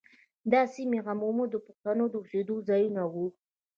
دا سیمې عموماً د پښتنو د اوسېدو ځايونه وو.